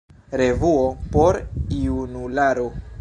Revuo por junularo.